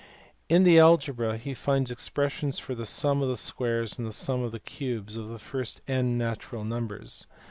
In the algebra lie finds expressions for the sum of the squares and the sum of the cubes of the first n natural numbers.